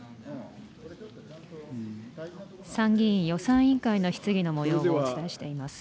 参議院予算委員会の質疑のもようをお伝えしています。